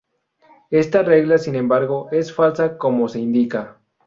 Esta regla, sin embargo, es falsa como se indica.